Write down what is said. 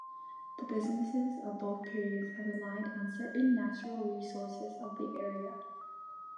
The businesses of both periods have relied on certain natural resources of the area.